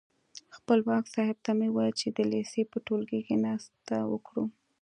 خپلواک صاحب ته مې وویل چې د لېسې په ټولګي کې ناسته وکړو.